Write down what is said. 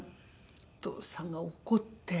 お父さんが怒って。